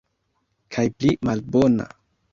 Kaj pli malbona.